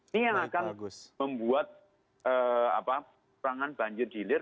ini yang akan membuat perangan banjir dilir